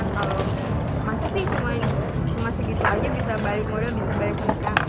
kalau pasti sih cuma segitu aja bisa balik modal bisa balik lagi